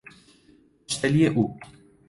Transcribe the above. خوشدلی او